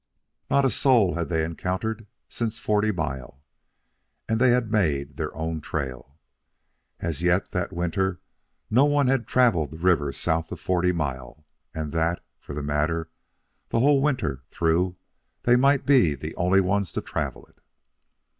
Not a soul had they encountered since Forty Mile, and they had made their own trail. As yet, that winter, no one had travelled the river south of Forty Mile, and, for that matter, the whole winter through they might be the only ones to travel it.